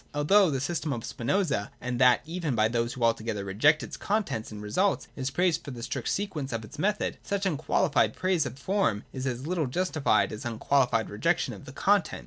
Although the system of Spinoza, and that even by those who altogether reject its contents and results, is praised for the strict sequence of its method, such unqualified praise of the form is as httle justified as an un qualified rejection of the content.